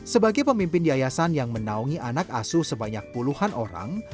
sebagai pemimpin yayasan yang menaungi anak asuh sebanyak puluhan orang